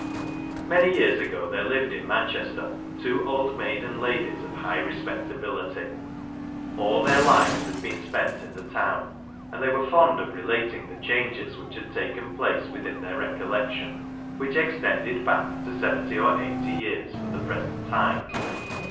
Many years ago there lived in Manchester two old maiden ladies, of high respectability. All their lives had been spent in the town, and they were fond of relating the changes which had taken place within their recol lection ; which extended back to seventy or eighty years from the present time.